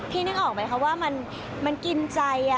นึกออกไหมคะว่ามันกินใจ